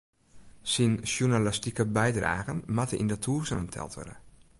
Syn sjoernalistike bydragen moat yn de tûzenen teld wurde.